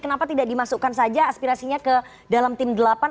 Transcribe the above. kenapa tidak dimasukkan saja aspirasinya ke dalam tim delapan